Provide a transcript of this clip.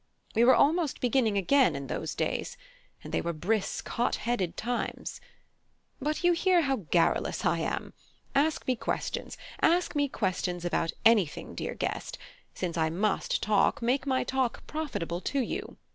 We were almost beginning again in those days: and they were brisk, hot headed times. But you hear how garrulous I am: ask me questions, ask me questions about anything, dear guest; since I must talk, make my talk profitable to you."